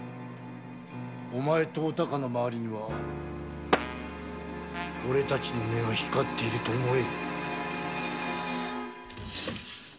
お前とお孝の周りには俺たちの目が光っていると思え！